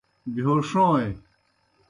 بہیو ݜوئیں۔